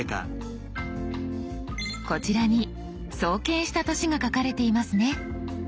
こちらに創建した年が書かれていますね。